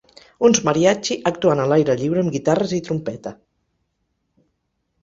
Uns Mariachi actuant a l'aire lliure amb guitarres i trompeta.